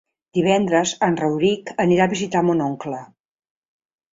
Divendres en Rauric anirà a visitar mon oncle.